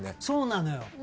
そうなのよ。